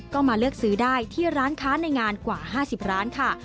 ก็มาเลือกซื้อได้ที่ร้านค้าในงานกว่า๕๐ร้านค่ะ